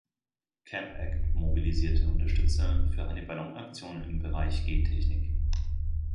Campact mobilisierte Unterstützer für eine Ballon-Aktion im Bereich Gentechnik.